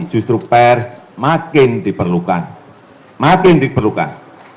justru pers makin diperlukan makin diperlukan